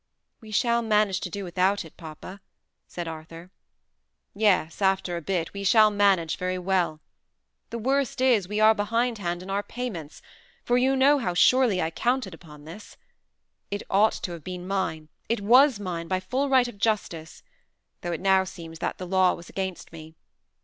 "We shall manage to do without it, papa," said Arthur. "Yes; after a bit, we shall manage very well. The worst is, we are behindhand in our payments; for you know how surely I counted upon this. It ought to have been mine; it was mine by full right of justice, though it now seems that the law was against me.